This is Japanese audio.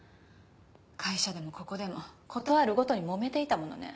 会社でもここでも事あるごとにもめていたものね。